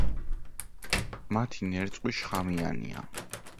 მათი ნერწყვი შხამიანია.